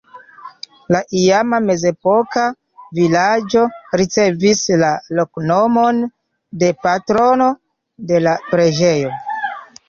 La iama mezepoka vilaĝo ricevis la loknomon de patrono de la preĝejo.